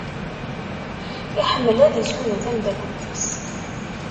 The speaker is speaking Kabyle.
Iḥemmel ad isuden tamdakelt-is.